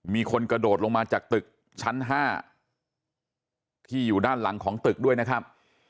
มีคนกระโดดลงมาจากตึกชั้น๕ที่อยู่ด้านหลังของตึกด้วยนะครับ